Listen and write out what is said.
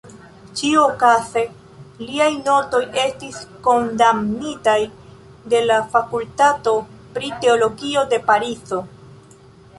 Ĉiuokaze, liaj notoj estis kondamnitaj de la Fakultato pri Teologio de Parizo.